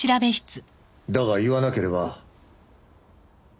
だが言わなければ。